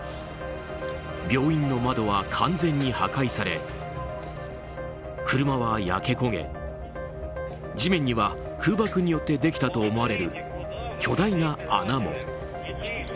病院の窓は完全に破壊され車は焼け焦げ、地面には空爆によってできたと思われる巨大な穴も。